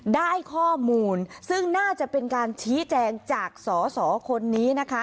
ได้ข้อมูลซึ่งน่าจะเป็นการชี้แจงจากสอสอคนนี้นะคะ